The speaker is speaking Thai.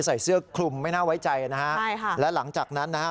ใส่เสื้อคลุมไม่น่าไว้ใจนะฮะใช่ค่ะและหลังจากนั้นนะฮะ